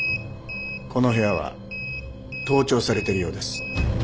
この部屋は盗聴されてるようです。